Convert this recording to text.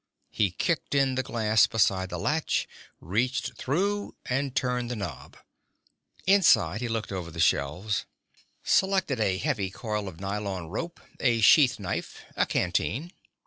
He kicked in the glass beside the latch, reached through and turned the knob. Inside he looked over the shelves, selected a heavy coil of nylon rope, a sheath knife, a canteen.